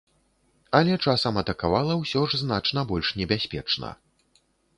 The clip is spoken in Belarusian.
Але часам атакавала ўсё ж значна больш небяспечна.